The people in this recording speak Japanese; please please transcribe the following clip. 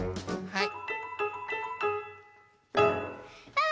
はい。